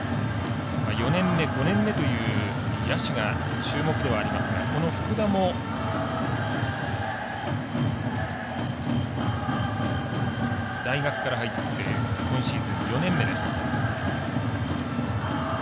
４年目、５年目という野手が注目ではありますがこの福田も大学から入って今シーズン４年目です。